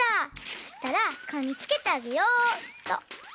そしたらかおにつけてあげようっと！